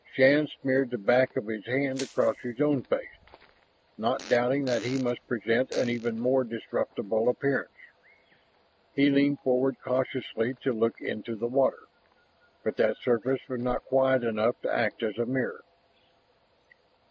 Shann smeared the back of his hand across his own face, not doubting that he must present an even more disreputable appearance. He leaned forward cautiously to look into the water, but that surface was not quiet enough to act as a mirror.